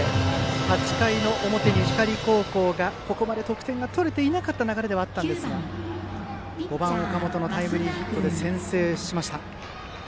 ８回表に光高校がここまで得点が取れていなかった流れではあったんですが５番、岡本のタイムリーヒットで先制しました。